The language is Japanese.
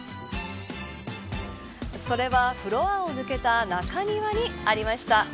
それは、フロアを抜けた中庭にありました